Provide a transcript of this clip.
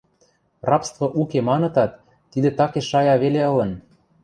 Рабство уке манытат, тидӹ такеш шая веле ылын.